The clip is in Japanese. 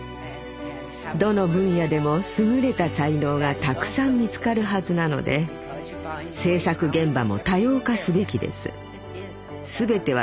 どの分野でも優れた才能がたくさん見つかるはずなので製作現場も多様化すべきです。